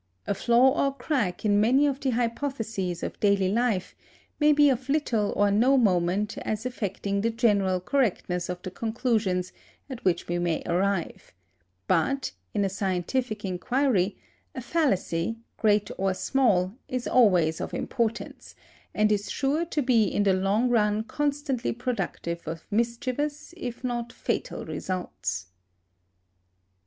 A flaw or crack in many of the hypotheses of daily life may be of little or no moment as affecting the general correctness of the conclusions at which we may arrive; but, in a scientific inquiry, a fallacy, great or small, is always of importance, and is sure to be in the long run constantly productive of mischievous if not fatal results.